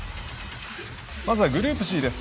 まずはグループＣです。